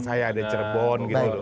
kayak ada cerbon gitu